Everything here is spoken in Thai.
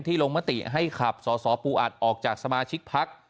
ลงมติให้ขับสสปูอัดออกจากสมาชิกพัก